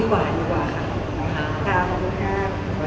ก็ว่าถ้าไม่ได้ค่อยหา